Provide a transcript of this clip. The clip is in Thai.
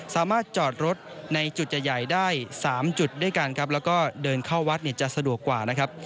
สามารถจอดรถในจุดใหญ่ได้๓จุดด้วยกันครับแล้วก็เดินเข้าวัดเนี่ยจะสะดวกกว่านะครับ